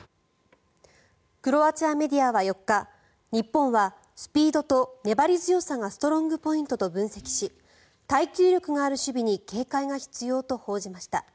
クロアチアメディアは４日日本はスピードと粘り強さがストロングポイントと分析し耐久力がある守備に警戒が必要と報じました。